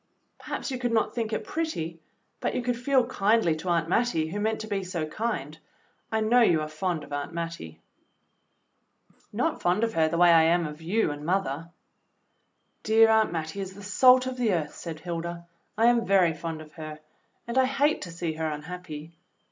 "Perhaps you could not think it pretty, but you could feel kindly to Aunt Mattie, who meant to be so kind. I know you are fond of Aunt Mattie." THE PLAID DRESS 39 "Not fond of her the way I am of you and mother." "Dear Aunt Mattie is the salt of the earth," said Hilda. "I am very fond of her, and I hate to see her unhappy."